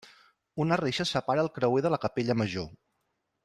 Una reixa separa el creuer de la capella major.